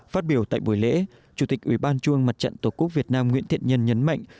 phát biểu tại buổi lễ chủ tịch ủy ban trung ương mặt trận tổ quốc việt nam nguyễn thiện nhân nhấn mạnh